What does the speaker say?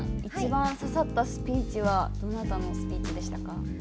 一番刺さったスピーチはどなたのスピーチでしたか？